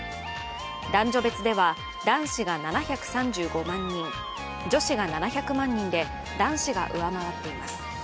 男女別では、男子が７３５万人女子が７００万人で男子が上回っています。